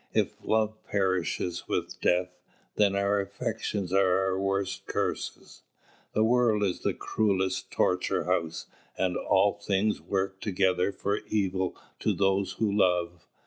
If love perishes with death, then our affections are our worst curses, the world is the cruellest torture house, and "all things work together for evil to those who love."